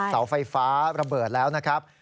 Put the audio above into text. เสาไฟฟ้าระเบิดแล้วนะครับ